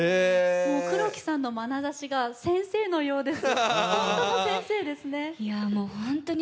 黒木さんのまなざしが先生のようです。